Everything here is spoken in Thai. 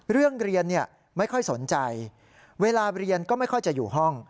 เรียนไม่ค่อยสนใจเวลาเรียนก็ไม่ค่อยจะอยู่ห้อง